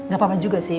gak apa apa juga sih